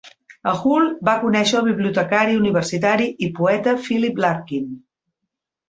A Hull va conèixer el bibliotecari universitari i poeta Philip Larkin.